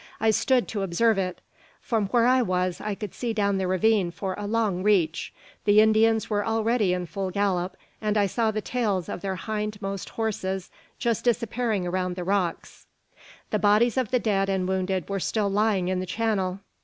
I stood to observe it. From where I was I could see down the ravine for a long reach. The Indians were already in full gallop, and I saw the tails of their hindmost horses just disappearing round the rocks. The bodies of the dead and wounded were still lying in the channel.